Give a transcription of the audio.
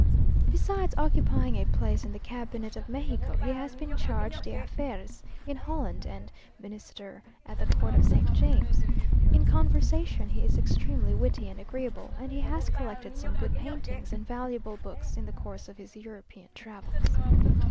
Besides occupying a place in the Cabinet of Mexico, he has been Charge d'Affaires in Holland, and Minister at the Court of St. James. In conversation he is extremely witty and agreeable, and he has collected some good paintings and valuable books in the course of his European travels.